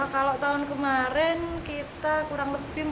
kalau tahun kemarin kita kurang lebih empat puluh